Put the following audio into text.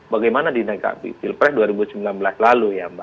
bagaimana didegapi pilpre dua ribu sembilan belas lalu